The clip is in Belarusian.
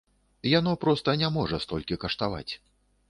Яно проста не можа столькі каштаваць.